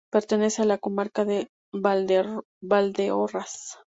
Pertenece a la Comarca de Valdeorras.